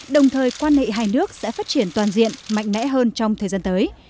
đồng thời quan hệ hai nước sẽ phát triển toàn diện mạnh mẽ hơn trong thời gian tới